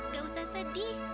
gak usah sedih